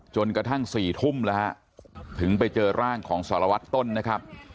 จนกระทั่ง๔ทุ่มแล้วฮะถึงไปเจอร่างของสารวัตรต้นนะครับ